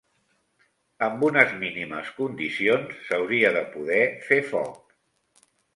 Amb unes mínimes condicions s'hauria de poder fer foc.